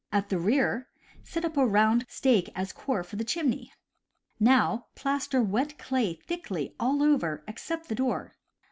At the rear, set up a round stake as core for the chimney. Now plaster wet clay thickly over all except the door.